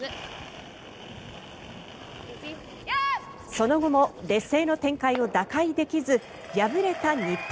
その後も劣勢の展開を打開できず敗れた日本。